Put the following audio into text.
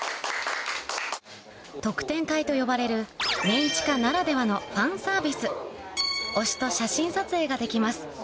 特典会と呼ばれるメンチカならではの推しと写真撮影ができます